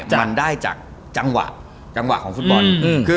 มันได้จากจังหวะจังหวะของฟุตบอล